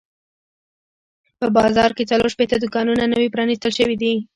په بازار کې څلور شپېته دوکانونه نوي پرانیستل شوي دي.